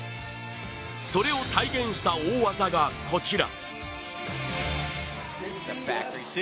それを体現した大技が、こちら。